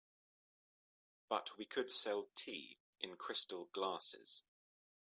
But we could sell tea in crystal glasses.